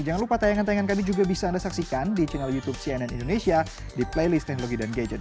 jangan lupa tayangan tayangan kami juga bisa anda saksikan di channel youtube cnn indonesia di playlist teknologi dan gadget